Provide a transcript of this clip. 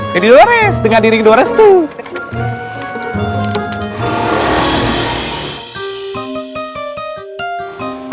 jadi dolores dengan diri dolores tuh